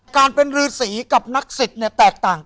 การเป็นรือสีกับนักศิษย์เนี่ยแตกต่าง